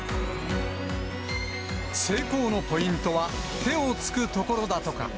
成功のポイントは、手をつく所だとか。